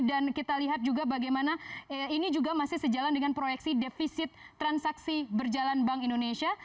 dan kita lihat juga bagaimana ini juga masih sejalan dengan proyeksi defisit transaksi berjalan bank indonesia